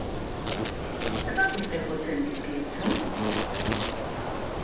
Zenbat urte jotzen dizkiozu?